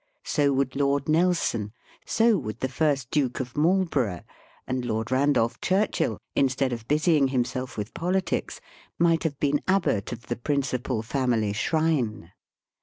So would Lord Nelson; so would the first Duke of Marlborough ; and Lord Kandolph Churchill, instead of busying himself with politics, might have been abbot of the principal family shrine.